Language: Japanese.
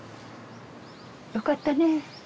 よかったね。